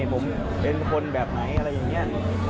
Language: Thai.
ผมเป็นคนแบบไหนอะไรอย่างนี้